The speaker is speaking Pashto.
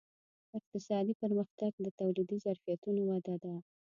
اقتصادي پرمختګ د تولیدي ظرفیتونو وده ده.